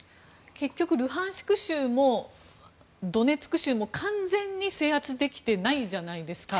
結局ルハンシク州もドネツク州も、完全に制圧できてないじゃないですか。